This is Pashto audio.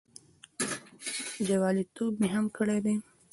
جوالیتوب مې هم کړی دی.